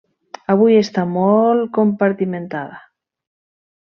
Avui està molt compartimentada.